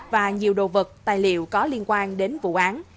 và nhiều đồ vật tài liệu có liên quan đến vụ án